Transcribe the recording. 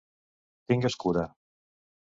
Tingues cura.